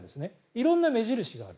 色んな目印がある。